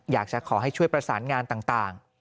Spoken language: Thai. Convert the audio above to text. อยากจะขอให้ช่วยประสานงานต่าง